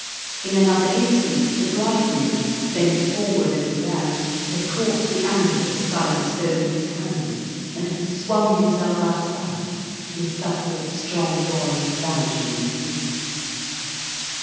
In another instant the bridegroom, bent forward as he ran, had caught the angle of the silent stone with his hand, and had swung himself out of sight, his supple, strong loins vanishing in pursuit.